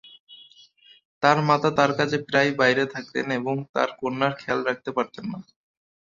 তার মাতা তার কাজে প্রায়ই বাইরে থাকতেন এবং তার কন্যার খেয়াল রাখতে পারতেন না।